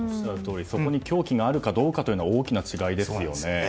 そこに凶器があるかどうかは大きな違いですよね。